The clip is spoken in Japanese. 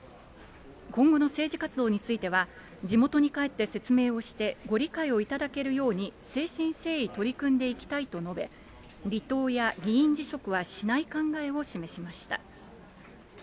今後の政治活動については、地元に帰って説明をして、ご理解をいただけるように、誠心誠意取り組んでいきたいと野辺、離党や議員辞職はしない考えを示しました。